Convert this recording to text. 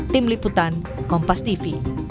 tim liputan kompas tv